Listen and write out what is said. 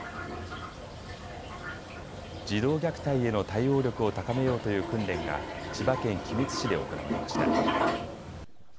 児童虐待への対応力を高めようという訓練が、千葉県君津市で行われました。